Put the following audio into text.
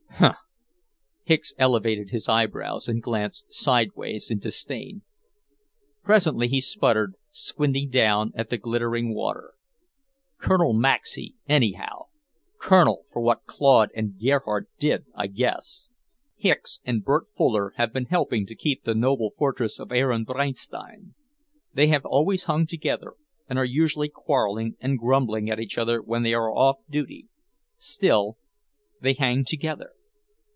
"Huh!" Hicks elevated his eyebrows and glanced sidewise in disdain. Presently he sputtered, squinting down at the glittering water, "Colonel Maxey, anyhow! Colonel for what Claude and Gerhardt did, I guess!" Hicks and Bert Fuller have been helping to keep the noble fortress of Ehrenbreitstein. They have always hung together and are usually quarrelling and grumbling at each other when they are off duty. Still, they hang together.